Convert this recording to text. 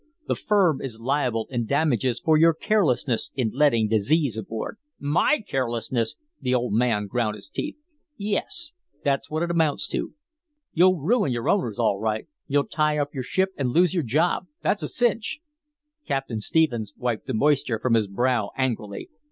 The firm is liable in damages for your carelessness in letting disease aboard." "MY CARELESSNESS!" The old man ground his teeth. "Yes; that's what it amounts to. You'll ruin your owners, all right. You'll tie up your ship and lose your job, that's a cinch!" Captain Stephens wiped the moisture from his brow angrily.